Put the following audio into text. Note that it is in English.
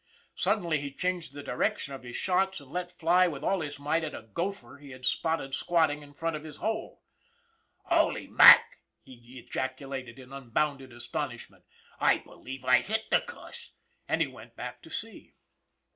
Suddenly he changed the direction of his shots, and let fly with all his might at a gopher he had spotted squatting in front of his hole. " Holy Mac !" he ejaculated in unbounded astonish ment. " I believe I hit the cuss !" and he went back to see.